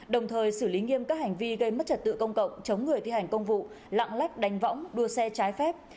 đồng thời xử lý nghiêm các hành vi gây mất trật tự công cộng chống người thi hành công vụ lạng lách đánh võng đua xe trái phép